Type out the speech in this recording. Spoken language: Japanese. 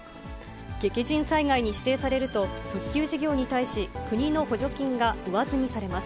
激甚災害に指定されると、復旧事業に対し、国の補助金が上積みされます。